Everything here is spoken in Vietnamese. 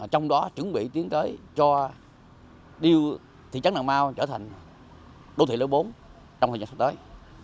trong đó chuẩn bị tiến tới cho điều thị trấn đà mau trở thành đô thị lối bốn trong thời gian sắp tới